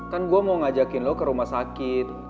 kan gue mau ngajakin lo ke rumah sakit